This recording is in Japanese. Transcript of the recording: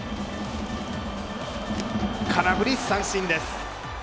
空振り三振です。